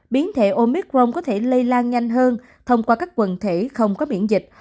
biến thể omicron có thể lây lan nhanh hơn thông qua các quần thể không có miễn dịch